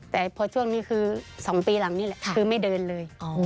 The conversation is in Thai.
แต่พอช่วงนี้คือ๒ปีหลังนี่แหละคือไม่เดินเลย